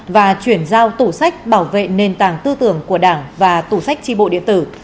và chuyển giao tủ sách bảo vệ nền tảng tư tưởng của đảng và tủ sách tri bộ điện tử